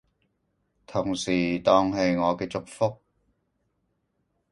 同時當係我嘅祝福